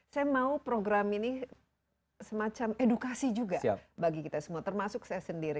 saya mau program ini semacam edukasi juga bagi kita semua termasuk saya sendiri